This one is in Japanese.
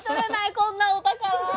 こんなお宝！